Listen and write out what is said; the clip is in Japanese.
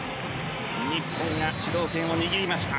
日本が主導権を握りました。